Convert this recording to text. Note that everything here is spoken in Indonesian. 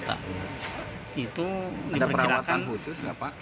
itu ada perawatan khusus nggak pak